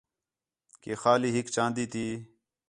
کہ خالی ہِک چاندی تی